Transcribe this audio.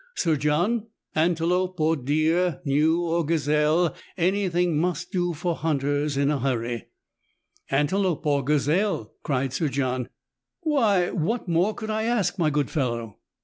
Sir John, antelope or deer, gnu or gazelle, any thing must do for hunters in a hurry." " Antelope or gazelle !" cried Sir John, " why, what more could I ask, my good fellow ?